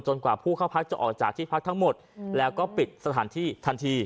กว่าผู้เข้าพักจะออกจากที่พักทั้งหมดแล้วก็ปิดสถานที่ทันที